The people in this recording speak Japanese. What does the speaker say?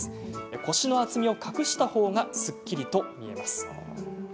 腰の厚みを隠したほうがすっきりと見えます。